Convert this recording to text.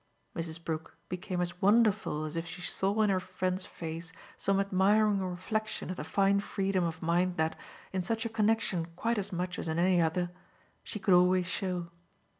Mrs. Brook became as wonderful as if she saw in her friend's face some admiring reflexion of the fine freedom of mind that in such a connexion quite as much as in any other she could always show.